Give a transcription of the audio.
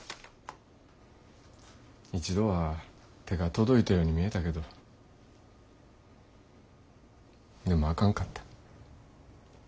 一度は手が届いたように見えたけどでもあかんかった。